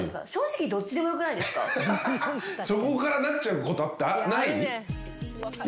そこからなっちゃうことってない？